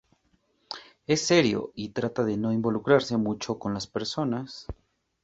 Es serio y trata de no involucrarse mucho con las personas.